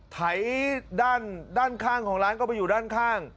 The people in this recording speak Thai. ไถด้านข้างของร้านก็ไปอยู่ด้านข้าง